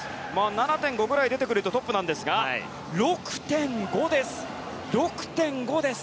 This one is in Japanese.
７．５ぐらい出てくるとトップですが６．５です。